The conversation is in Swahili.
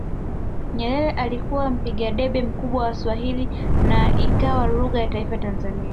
Nyerere alikuwa mpiga debe mkubwa wa Swahili na ikawa lugha ya taifa ya Tanzania